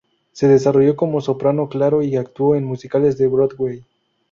Se desarrolló como soprano claro y actuó en musicales de Broadway.